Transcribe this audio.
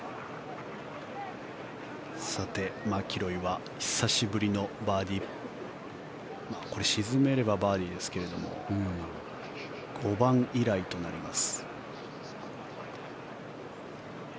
さて、マキロイは久しぶりのバーディーこれ沈めればバーディーですが５番以来となります。